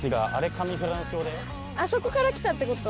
あそこから来たってこと？